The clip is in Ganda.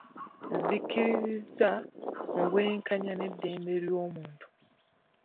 Nzikiririza mu bwenkanya n'eddembe ly'obuntu.